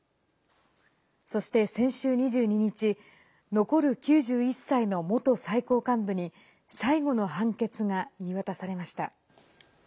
そして、先週２２日残る９１歳の元最高幹部に最後の判決が言い渡されました。